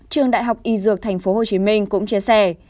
trường đại học y dược tp hcm cũng chia sẻ